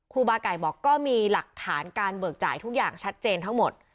ครูบาไก่บอกก็มีหลักฐานการเบิกจ่ายทุกอย่างชัดเจนทั้งหมด